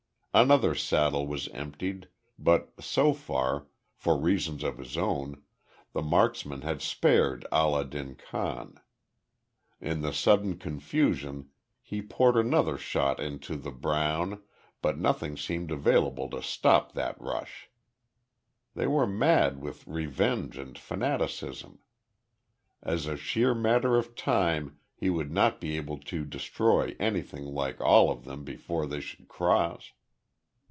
Another saddle was emptied, but so far, for reasons of his own, the marksman had spared Allah din Khan. In the sudden confusion, he poured another shot into "the brown," but nothing seemed available to stop that rush. They were mad with revenge and fanaticism. As a sheer matter of time he would not be able to destroy anything like all of them before they should cross.